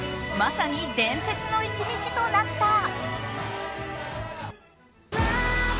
まさに「伝説の一日」となった。